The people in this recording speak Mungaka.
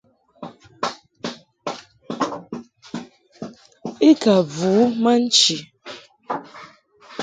I ka vu ma nchi.